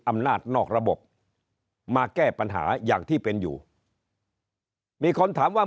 อำนาจนอกระบบมาแก้ปัญหาอย่างที่เป็นอยู่มีคนถามว่า